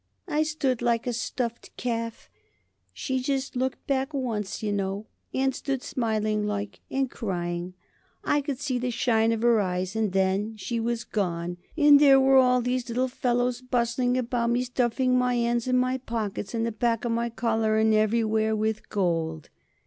"I stood like a stuffed calf. She just looked back once, you know, and stood smiling like and crying I could see the shine of her eyes and then she was gone, and there was all these little fellows bustling about me, stuffing my 'ands and my pockets and the back of my collar and everywhere with gold."